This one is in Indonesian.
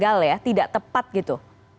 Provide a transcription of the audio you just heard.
gagal ya tidak tepat gitu